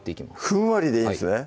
ふんわりでいいんですね